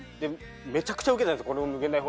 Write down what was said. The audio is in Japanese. めちゃくちゃウケたんですよ